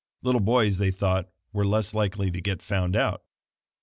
Little boys, they thought, were less likely to get found out.